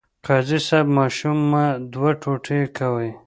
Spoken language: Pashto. قاضي صیب ماشوم مه دوه ټوټې کوئ.